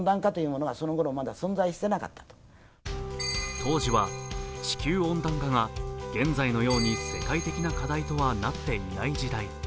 当時は地球温暖化が現在のように世界的な課題とはなっていない時代。